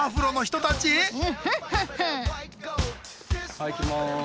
はい行きます。